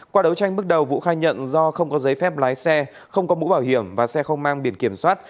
qua đấu tranh bước đầu vũ khai nhận do không có giấy phép lái xe không có mũ bảo hiểm và xe không mang biển kiểm soát